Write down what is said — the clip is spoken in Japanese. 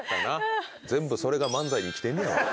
全部それが漫才に生きてんね